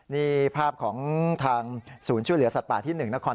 นี่ภาพของทางศูนย์ช่วยเหลือสัตว์ป่าที่๑นคร